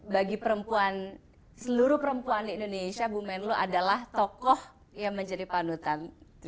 bagi perempuan seluruh perempuan di indonesia boomen lo adalah tokoh yang menjadi pandutan